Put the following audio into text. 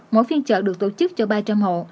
mỗi phiên chợ được tổ chức cho ba trăm linh hộ